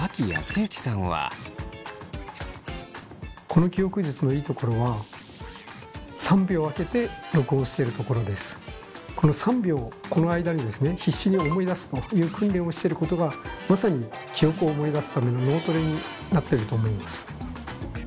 この記憶術のいいところはこの３秒この間に必死に思い出すという訓練をしてることがまさに記憶を思い出すための脳トレになってると思います。